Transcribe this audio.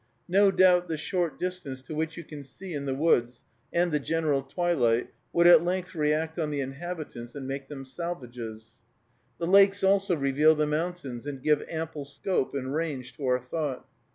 No doubt, the short distance to which you can see in the woods, and the general twilight, would at length react on the inhabitants, and make them salvages. The lakes also reveal the mountains, and give ample scope and range to our thought.